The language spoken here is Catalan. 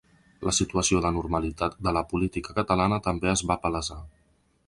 La situació d’anormalitat de la política catalana també es va palesar.